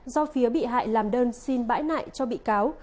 do phía bị hại làm đơn xin bãi lại cho bị cáo